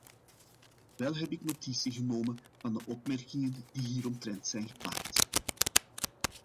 Wel heb ik notitie genomen van de opmerkingen die hieromtrent zijn gemaakt.